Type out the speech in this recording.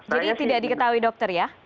tidak diketahui dokter ya